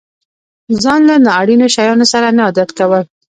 ځان له نا اړينو شيانو سره نه عادت کول.